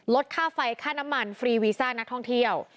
ลดค่าไฟค่าน้ำมันฟรีวีซ่านักท่องเที่ยว